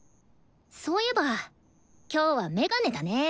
そういえば今日はメガネだね。